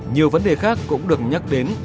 nhiều vấn đề khác cũng được nhắc đến